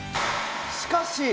しかし！